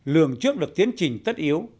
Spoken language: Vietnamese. lường trước được tiến trình tất yếu